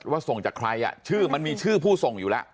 ส่งจากใครชื่อมันมีชื่อผู้ส่งอยู่แล้ว